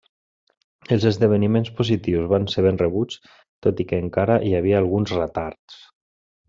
Els esdeveniments positius van ser ben rebuts tot i que encara hi havia alguns retards.